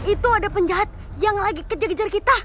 itu ada penjahat yang lagi kejar kejar kita